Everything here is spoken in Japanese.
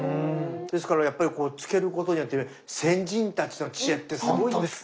ですからやっぱりこう漬けることによって先人たちの知恵ってすごいです。